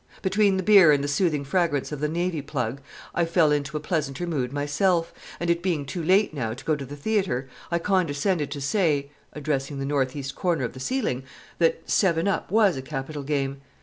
Between the beer and the soothing fragrance of the navy plug, I fell into a pleasanter mood myself, and, it being too late now to go to the theatre, I condescended to say addressing the northwest corner of the ceiling that "seven up" was a capital game.